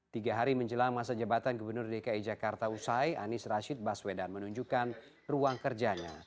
tiga hari menjelang masa jabatan gubernur dki jakarta usai anies rashid baswedan menunjukkan ruang kerjanya